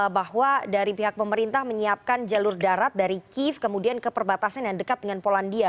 bahwa dari pihak pemerintah menyiapkan jalur darat dari kiev kemudian ke perbatasan yang dekat dengan polandia